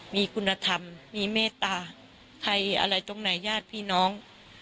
มีคุณธรรมมีเมตตาใครอะไรตรงไหนญาติพี่น้อง